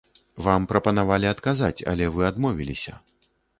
Вам прапанавалі адказаць, але вы адмовіліся.